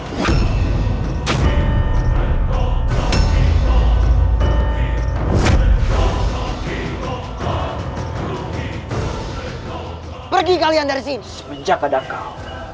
keturunan yang diperlukan adalah